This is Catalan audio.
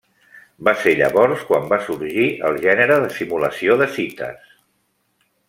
Va ser llavors quan va sorgir el gènere de simulació de cites.